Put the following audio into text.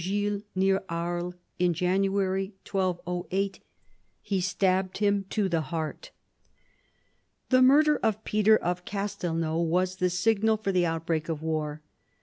Gilles, near Aries, in January 1208 he stabbed him to the heart.. The murder of Peter of Castelnau was the signal for the outbreak of war.